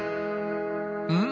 うん？